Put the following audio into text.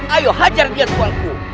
ayo hajar dia tuanku